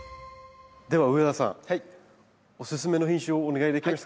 では上田さんオススメの品種をお願いできますか？